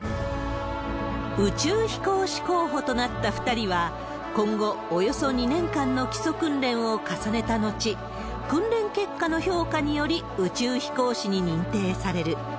宇宙飛行士候補となった２人は、今後、およそ２年間の基礎訓練を重ねた後、訓練結果の評価により、宇宙飛行士に認定される。